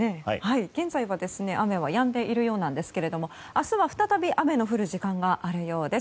現在は雨はやんでいるようなんですけれども明日は再び雨の降る時間があるようです。